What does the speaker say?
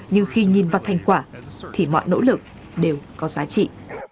nhưng khi nhìn vào thành quả thì mọi nỗ lực đều có giá trị